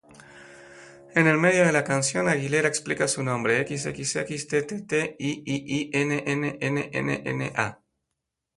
En el medio de la canción, Aguilera explica su nombre: "X-x-x-t-t-t-i-i-i-n-n-n-n-n-a".